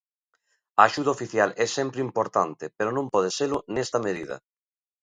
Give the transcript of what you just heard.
A axuda oficial é sempre importante, pero non pode selo nesta medida.